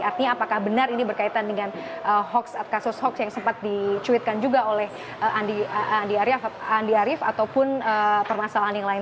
artinya apakah benar ini berkaitan dengan kasus hoax yang sempat dicuitkan juga oleh andi arief ataupun permasalahan yang lain